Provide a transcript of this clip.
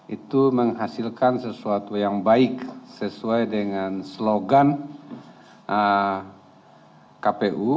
itu menghasilkan sesuatu yang baik sesuai dengan slogan kpu